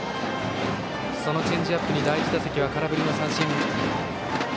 そのチェンジアップに第１打席は空振りの三振。